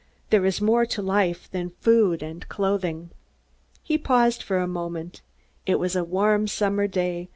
There is more to life than food and clothing." He paused for a moment. It was a warm summer day.